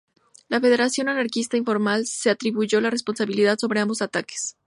La Federación Anarquista Informal se atribuyó la responsabilidad sobre ambos ataques.